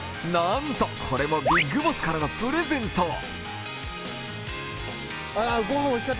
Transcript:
なんとこれもビッグボスからのプレゼント。